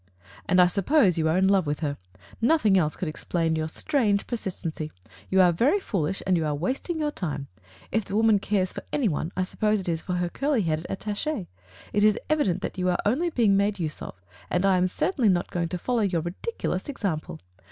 '*And I suppose you are in love with her. Nothing else could explain your strange per sistency. You are very foolish, and you are wasting your time. If the woman cares for any one, I suppose it is for her curly headed attach^. It is evident that you are only being made use of, and I am certainly not going to follow your ridic ulous example.